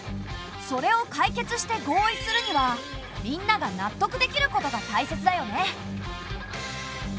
それを解決して合意するにはみんなが納得できることがたいせつだよね。